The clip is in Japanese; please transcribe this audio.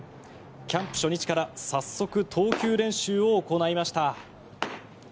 キャンプ初日から早速、投球練習を行いました。